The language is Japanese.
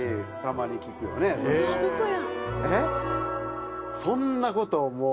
えっ！？